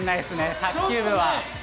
卓球部は。